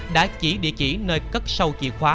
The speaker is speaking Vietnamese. đã chỉ địa chỉ nơi cất sâu chìa khóa